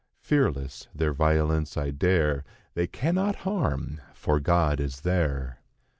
Fearless, their violence I dare; They cannot harm, for God is there."